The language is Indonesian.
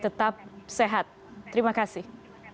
tetap sehat terima kasih